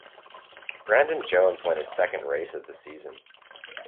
Brandon Jones won his second race of the season.